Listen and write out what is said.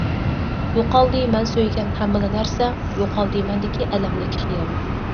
يوقالدى مەن سۆيگەن ھەممىلا نەرسە، يوقالدى مەندىكى ئەلەملىك خىيال.